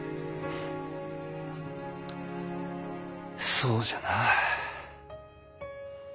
そうじゃな。